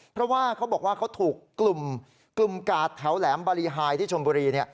เพราะว่าเขาบอกว่าเขาถูกกลุ่มกาดแถวแหลมบริหายที่ชนบุรี